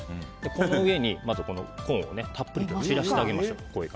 この上にコーンをたっぷりとちらしてあげます。